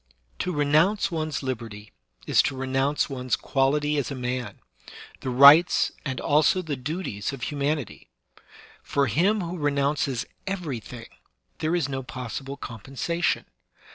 To renounce one's liberty is to renounce one's quality as a man, the rights and also the duties of humanity. For him who renounces everything there is no possible compensation.